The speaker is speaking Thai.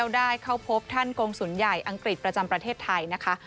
ได้เข้าพบท่านกงศูนย์ใหญ่อังกฤษประจำประเทศไทยนะคะ